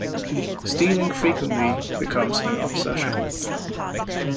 Stealing frequently becomes an obsession.